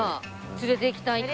連れていきたいって。